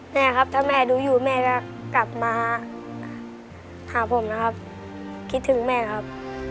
แม่ครับถ้าแม่ดูอยู่แม่จะกลับมาหาผมนะครับคิดถึงแม่ครับ